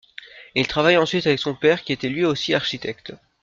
Il travaille ensuite avec son père, qui était lui aussi architecte.